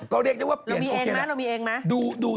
ก็เรียกได้ว่าเปลี่ยนโอเคแล้วเรามีเองไหม